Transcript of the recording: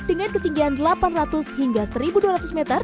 dengan ketinggian delapan ratus hingga satu dua ratus meter